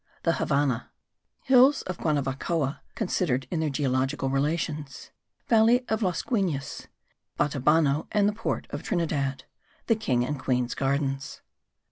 THE HAVANNAH. HILLS OF GUANAVACOA, CONSIDERED IN THEIR GEOLOGICAL RELATIONS. VALLEY OF LOS GUINES, BATABANO, AND PORT OF TRINIDAD. THE KING AND QUEEN'S GARDENS.